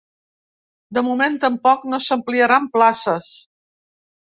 De moment, tampoc no s’ampliaran places.